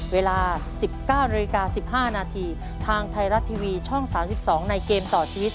เวลา๑๙นาฬิกา๑๕นาทีทางไทยรัฐทีวีช่อง๓๒ในเกมต่อชีวิต